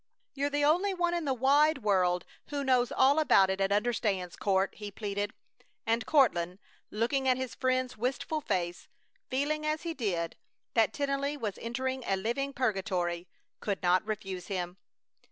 "You're the only one in the wide world who knows all about it, and understands, Court," he pleaded, and Courtland, looking at his friend's wistful face, feeling, as he did, that Tennelly was entering a living purgatory, could not refuse him.